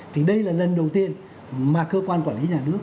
thì đây là lần đầu tiên mà cơ quan quản lý nhà nước